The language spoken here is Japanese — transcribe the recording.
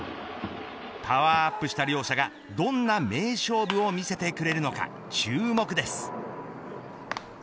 パワーアップした両者がどんな名勝負を見せてくれるのか注目です。